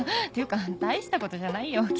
っていうか大したことじゃないよ